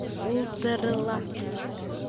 — Ултырыла.